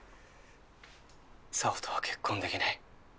沙帆とは結婚できない。